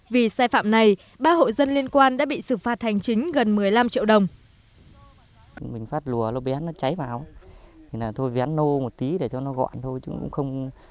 vì sai phạm này ba hộ dân liên quan đã bị xử phạt hành chính gần một mươi năm triệu đồng